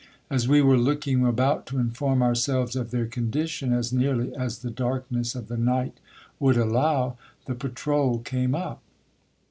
As we were looking about to inform ourselves of their condition, as nearly as the darkness of the night would allow, the patrole came up.